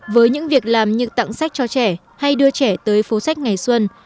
với những việc làm như tặng sách cho trẻ hay đưa trẻ tới phố sách ngày xuân